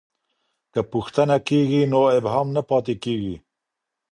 که پوښتنه کېږي نو ابهام نه پاته کېږي.